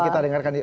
kita dengarkan yuk